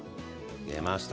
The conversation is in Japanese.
出ました。